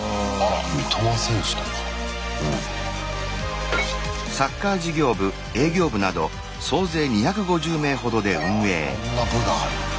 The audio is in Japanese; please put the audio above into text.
あいろんな部があるんだ。